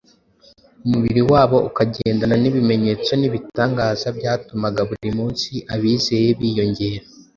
umurimo wabo ukagendana n’ibimenyetso n’ibitangaza byatumaga buri munsi abizeye biyongera.